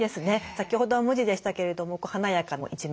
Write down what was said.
先ほどは無地でしたけれども華やかな一面貼り替えて。